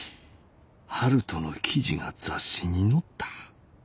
悠人の記事が雑誌に載った。